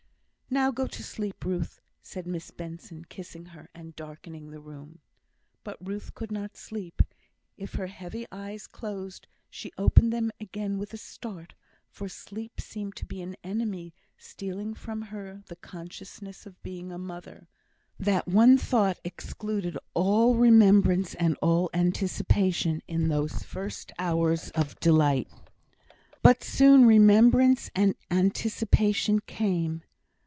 "Now go to sleep, Ruth," said Miss Benson, kissing her, and darkening the room. But Ruth could not sleep; if her heavy eyes closed, she opened them again with a start, for sleep seemed to be an enemy stealing from her the consciousness of being a mother. That one thought excluded all remembrance and all anticipation, in those first hours of delight. But soon remembrance and anticipation came.